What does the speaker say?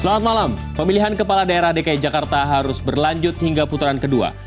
selamat malam pemilihan kepala daerah dki jakarta harus berlanjut hingga putaran kedua